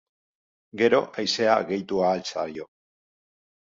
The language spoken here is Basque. Gero, haizea gehitu ahal zaio.